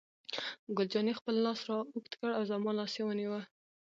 ګل جانې خپل لاس را اوږد کړ او زما لاس یې ونیو.